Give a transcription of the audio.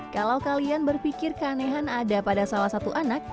kalau kalian berpikir keanehan ada pada salah satu anak